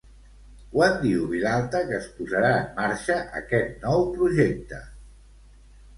Quan diu Vilalta que es posarà en marxa aquest nou projecte?